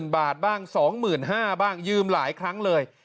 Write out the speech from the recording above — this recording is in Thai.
บาทบ้าง๒๕๐๐บ้างยืมหลายครั้งเลย